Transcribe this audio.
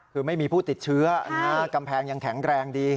คือไม่มีผู้ติดเชื้อกำแพงยังแข็งแรงดี